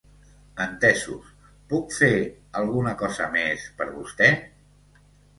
Entesos, puc fer alguna cosa més per vostè?